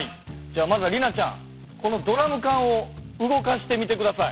じゃあまずは里奈ちゃんこのドラム缶を動かしてみて下さい。